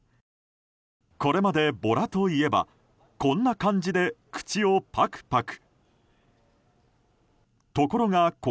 これまでボラといえばこんな感じで口をパクパク。